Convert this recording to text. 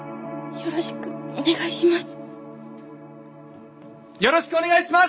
よろしくお願いします！